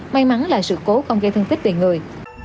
may mắn là sự cố không gây thương tích về người